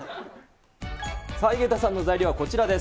井桁さんの材料はこちらです。